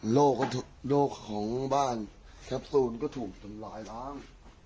โลกโลกของบ้านแท็บซูนก็ถูกจำลายล้าง